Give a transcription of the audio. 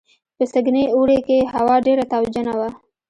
په سږني اوړي کې هوا ډېره تاوجنه وه